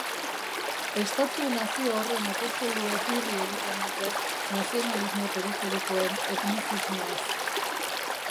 Esta-tu-Nazio horren apostoluek irri egiten dute nazionalismo periferikoen etnizismoaz.